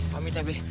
pamit ya be